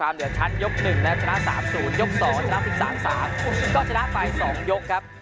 ๑แล้วจะน่า๓๐ยก๒จะน่า๑๓๓ก็จะน่าไป๒ยกครับ